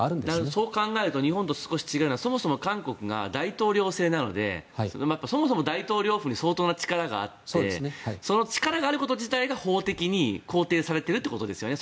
そう考えると日本と少し違うのはそもそも韓国は大統領制なのでそもそも大統領府に相当な力があってその力があること自体が法的に肯定されてるってことですよね。